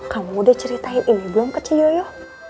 kamu udah ceritain ini belum kecil yoyo